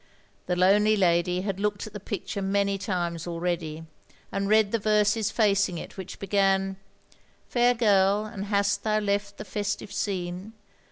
The lonely lady had looked at the picture many times already, and read the verses facing it, which began: Fair girl, and hast thou left the festive scene.